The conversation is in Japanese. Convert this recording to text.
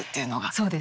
そうです。